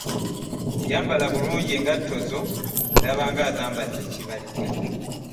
Yambala bulungi engatto zo; ndaba ng'ayambadde kibaliga!